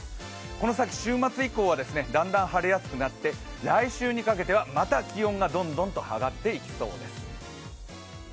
この先週末以降はだんだん晴れやすくなって来週にかけてはまた気温がどんどんと上がっていきそうです。